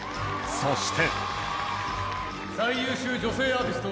そして。